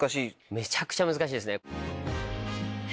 めちゃくちゃ難しいですね。